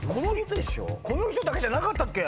この人だけじゃなかったっけ？